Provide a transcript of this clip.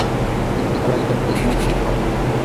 তিনি কারাগার থেকে মুক্তি পান।